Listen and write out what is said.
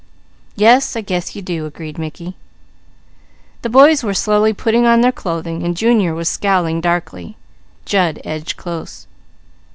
"Yes I guess you do," agreed Mickey. The boys were slowly putting on their clothing and Junior was scowling darkly. Jud edged close.